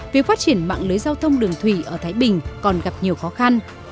việc phát triển mạng lưới giao thông đường thủy ở thái bình còn gặp nhiều khó khăn